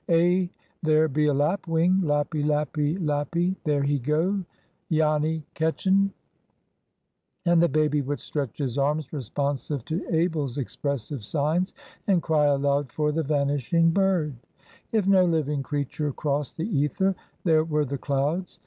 Eh, there be a lapwing! Lap py, lap py, lap py, there he go! Janny catch un!" [Picture: "Look 'ee here!" the nurse boy would cry] And the baby would stretch his arms responsive to Abel's expressive signs, and cry aloud for the vanishing bird. If no living creature crossed the ether, there were the clouds.